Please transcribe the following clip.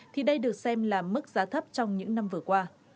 thì đây được xem là mức giá thấp trong những năm vừa qua